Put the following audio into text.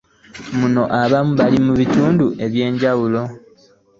Muno abaamu baali mu bitundu eby’enjawulo.